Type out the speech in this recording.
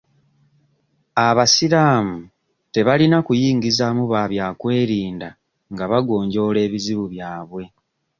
Abasiraamu tebalina kuyingizaamu babyakwerinda nga bagonjoola ebizibu byabwe.